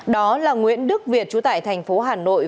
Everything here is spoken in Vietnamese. đó là nguyễn đức việt trú tại thành phố hà nội